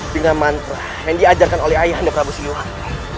dengan mantra yang diajarkan oleh ayahanda prabu siliwang